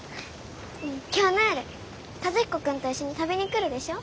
今日の夜和彦君と一緒に食べに来るでしょ。